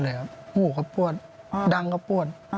หมดเลยครับหู้เขาปูดดั้งเขาปูด